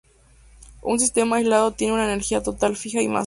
Un sistema aislado tiene una energía total fija y masa.